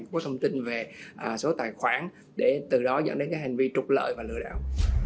có thông tin về số tài khoản để từ đó dẫn đến hành vi trục lợi và lừa đảo